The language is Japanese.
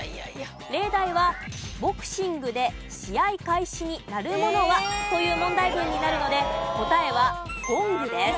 例題はボクシングで試合開始に鳴るものは？という問題文になるので答えはゴングです。